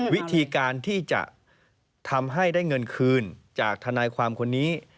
วิธีการที่จะทำให้ได้เงินคืนจากทนายความคนนี้